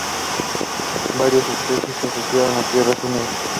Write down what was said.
Varias especies se asocian a tierras húmedas.